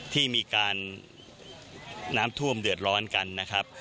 ที่มีการน้ำท่วมเดือดร้อนกันนะครับ